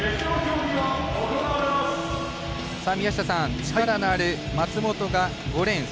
宮下さん、力のある松元が５レーン。